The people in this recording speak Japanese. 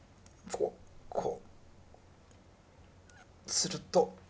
すると。